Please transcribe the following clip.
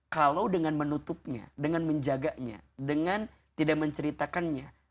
kalau dengan menutupnya dengan menjaganya dengan tidak menceritakannya